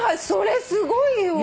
それすごいよ。